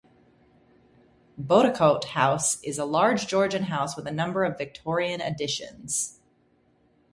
Bodicote House is a large Georgian house with a number of Victorian additions.